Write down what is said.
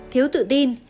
thiếu tự tin